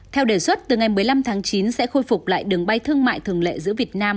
theo đề xuất từ ngày một mươi năm tháng chín sẽ khôi phục lại đường bay thương mại thường lệ giữa việt nam